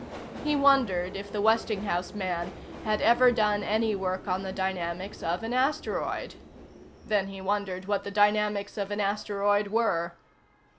He wondered if the Westinghouse man had ever done any work on the dynamics of an asteroid. Then he wondered what the dynamics of an asteroid were.